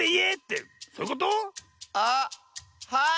あっはい！